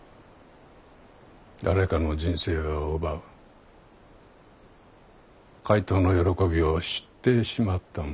誰かの人生を奪う怪盗の喜びを知ってしまった者。